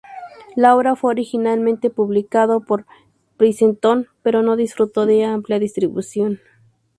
La obra fue originalmente publicado por Princeton, pero no disfrutó de amplia distribución.